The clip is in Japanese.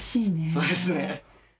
そうですね。